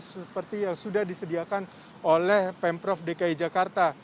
seperti yang sudah disediakan oleh pemprov dki jakarta